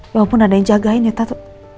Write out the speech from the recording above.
walaupun ada yang jagain ya tatuk